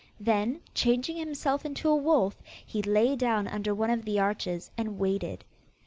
Then, changing himself into a wolf, he lay down under one of the arches, and waited.